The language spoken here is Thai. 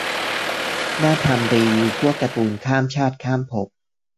น่าทำรีวิวพวกการ์ตูนข้ามชาติข้ามภพ